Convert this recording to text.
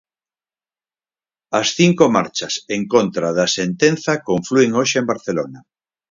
As cinco marchas en contra da sentenza conflúen hoxe en Barcelona.